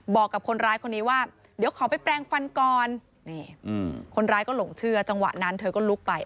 บอกกับคนร้ายคนนี้ว่าเดี๋ยวขอไปแปลงฟันก่อนนี่คนร้ายก็หลงเชื่อจังหวะนั้นเธอก็ลุกไป